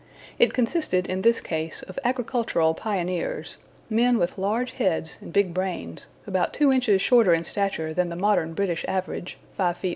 It consisted, in this case, of agricultural pioneers, men with large heads and big brains, about two inches shorter in stature than the modern British average (5 ft.